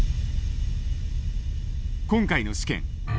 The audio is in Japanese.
今回の試験。